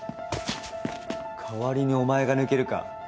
代わりにお前が抜けるか？